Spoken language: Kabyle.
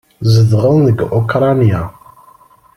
Zedɣen deg Ukṛanya.